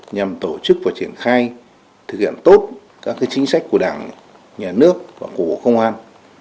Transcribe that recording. nhằm tổ chức và triển khai thực hiện tốt các chính sách của đảng nhà nước và của bộ công an